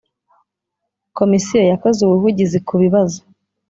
Komisiyo yakoze ubuvugizi ku bibazo